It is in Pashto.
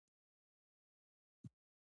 زه کور ته روان يم.